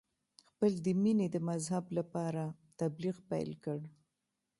خپل د مینې د مذهب لپاره تبلیغ پیل کړ.